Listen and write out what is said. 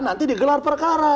nanti digelar perkara